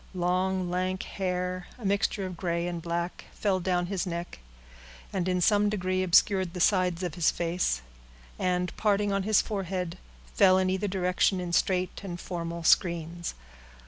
Long, lank hair, a mixture of gray and black, fell down his neck, and in some degree obscured the sides of his face, and, parting on his forehead, fell in either direction in straight and formal screens.